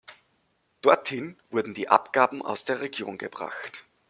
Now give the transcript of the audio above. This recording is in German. Dorthin wurden die Abgaben aus der Region gebracht.